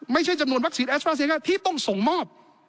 ไม่ใช่จำนวนวัคซีนแอสตราเซน่าที่ต้องส่งมอบ